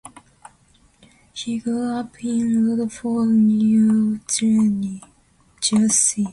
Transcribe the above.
He grew up in Rutherford, New Jersey.